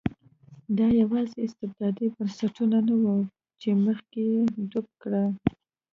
دا یوازې استبدادي بنسټونه نه وو چې مخه یې ډپ کړه.